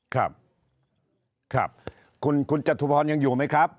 ครับครับคุณจตุพรยังอยู่ไหมครับ